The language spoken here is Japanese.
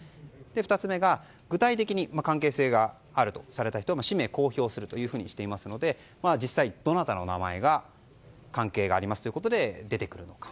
２つ目が具体的に関係性があるとされた人の氏名を公表するとしていますので実際、どなたの名前が関係がありますと出てくるのか。